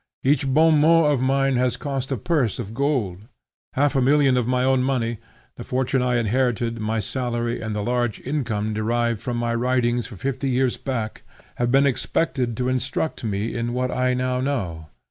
"Each bon mot of mine has cost a purse of gold. Half a million of my own money, the fortune I inherited, my salary and the large income derived from my writings for fifty years back, have been expended to instruct me in what I now know.